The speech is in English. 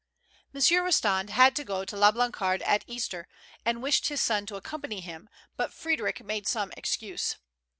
Monsieur Eostand had to go to La Blancarde at Easter, and wished his son to accompany him ; but Frdddric made some excuse.